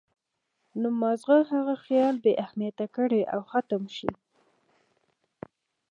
نو مازغۀ هغه خيال بې اهميته کړي او ختم شي